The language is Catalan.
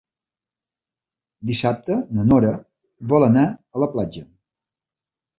Dissabte na Nora vol anar a la platja.